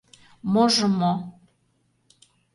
Можо мо?